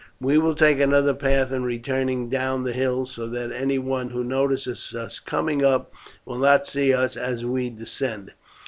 We will take another path in returning down the hills, so that any one who noticed us coming up will not see us as we descend.